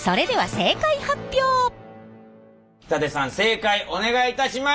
正解お願いいたします。